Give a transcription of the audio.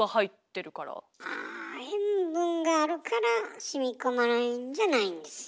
あ塩分があるからしみこまないんじゃないんですよ。